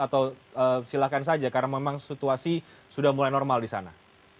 atau silakan saja karena memang situasi sudah mulai normal di sana